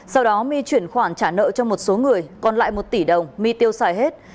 sau đó my chuyển khoản trả nợ cho một số người còn lại một tỷ đồng my tiêu xài hết